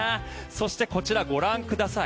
そして、こちらご覧ください。